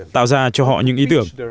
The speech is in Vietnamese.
tạo ra cho họ những ý tưởng